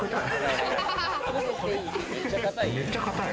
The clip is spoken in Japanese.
めっちゃ硬い！